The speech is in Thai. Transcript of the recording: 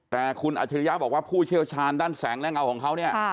แต่คุณอัจฉริยะบอกว่าผู้เชี่ยวชาญด้านแสงและเงาของเขาเนี่ย